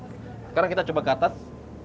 sekarang kita coba ke atas